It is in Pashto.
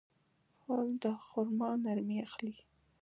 غول د خرما نرمي اخلي.